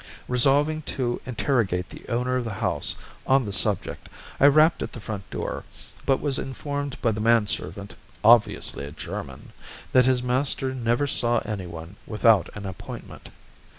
Resolving to interrogate the owner of the house on the subject, I rapped at the front door, but was informed by the manservant, obviously a German, that his master never saw anyone without an appointment.